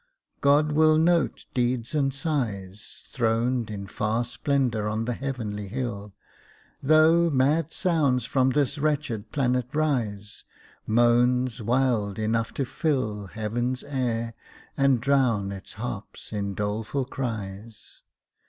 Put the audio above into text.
God will note deeds and sighs, Throned in far splendor on the heavenly hill, Though mad sounds from this wretched planet rise Moans wild enough to fill Heaven's air, and drown its harps in doleful cries.